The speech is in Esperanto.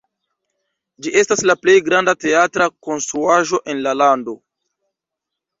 Ĝi estas la plej granda teatra konstruaĵo en la lando.